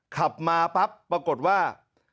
ขับมาปั๊บปรากฏว่า